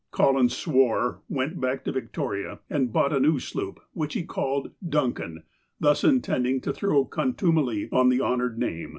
Collins swore, went back to Victoria, and bought a new sloop, which he called "Duncan," thus intending to throw contumely on the honoured name.